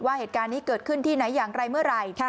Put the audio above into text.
เหตุการณ์นี้เกิดขึ้นที่ไหนอย่างไรเมื่อไหร่